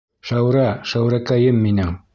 Шәүрә, Шәүрәкәйем минең!